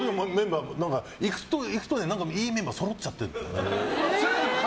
行くと、いいメンバーがそろっちゃってるの。